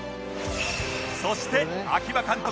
そして秋葉監督